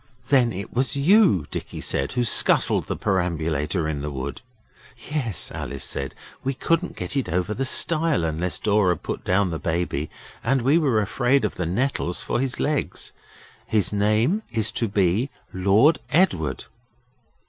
'Then it was you,' Dicky said, 'who scuttled the perambulator in the wood?' 'Yes,' Alice said; 'we couldn't get it over the stile unless Dora put down the Baby, and we were afraid of the nettles for his legs. His name is to be Lord Edward.